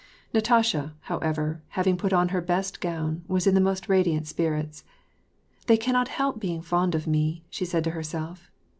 Natasha, however, having put on her best gown, was in the most radiant spirits. " They cannot help being fond of me," she said to herself.